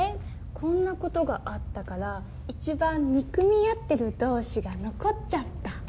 こんな事があったから一番憎み合ってる同士が残っちゃった。